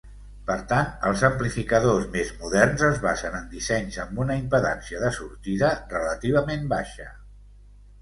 Per tant, els amplificadors més moderns es basen en dissenys amb una impedància de sortida relativament baixa.